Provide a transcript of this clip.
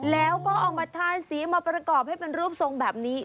แล้วก็เอามาทานสีมาประกอบให้เป็นรูปทรงแบบนี้